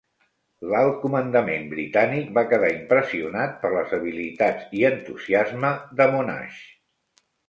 L'Alt Comandament Britànic va quedar impressionat per les habilitats i entusiasme de Monash.